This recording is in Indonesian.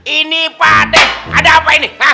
ini padeh ada apa ini